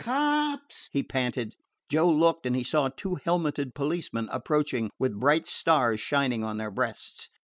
"Cops!" he panted. Joe looked, and he saw two helmeted policemen approaching, with bright stars shining on their breasts.